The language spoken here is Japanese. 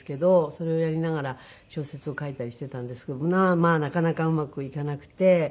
それをやりながら小説を書いたりしていたんですけどまあまあなかなかうまくいかなくて。